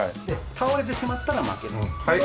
倒れてしまったら負けという。